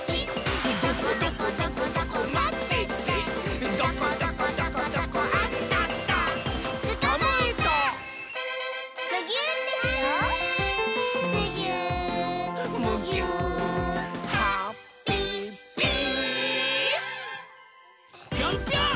ぴょんぴょん！